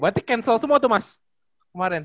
berarti cancel semua tuh mas kemarin